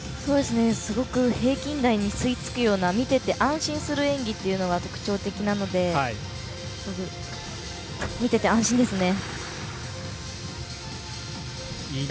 すごく平均台に吸いつくような見ていて安心する演技というのが特徴的なので見てて、安心ですね。